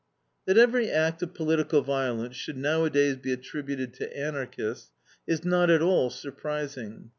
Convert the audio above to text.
" That every act of political violence should nowadays be attributed to Anarchists is not at all surprising.